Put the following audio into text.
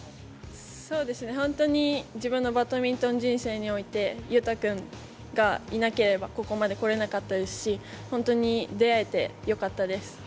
そうですね、本当に自分のバドミントン人生において、勇大君がいなければここまで来れなかったですし、本当に出会えてよかったです。